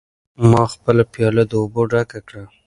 ما خپله پیاله د اوبو ډکه کړه.